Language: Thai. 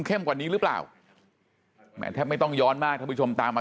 กว่านี้หรือเปล่าแหมแทบไม่ต้องย้อนมากท่านผู้ชมตามมา